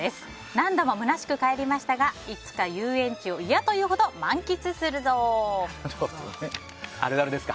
何度もむなしく帰りましたがいつか遊園地をあるあるですか？